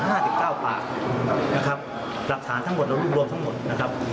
ห้าสิบเก้าปากนะครับหลักฐานทั้งหมดเรารวบรวมทั้งหมดนะครับ